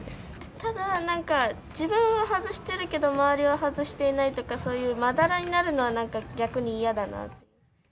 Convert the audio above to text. ただ、なんか、自分は外してるけど、周りは外していないとか、そういうまだらになるのは、なんか逆に嫌だな。